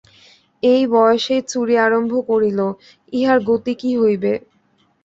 এই বয়সেই চুরি আরম্ভ করিল, ইহার গতি কী হইবে।